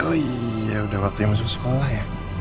oh iya udah waktunya masuk sekolah ya